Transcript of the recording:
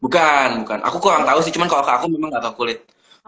bukan bukan aku kurang tahu sih cuman kalau ke aku memang nggak ke kulit